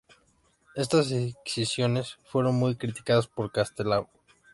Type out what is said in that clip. Estas escisiones fueron muy criticadas por Castelao.